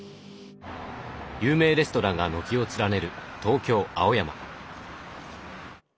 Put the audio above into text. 有名レストランが軒を連ねる東京青山。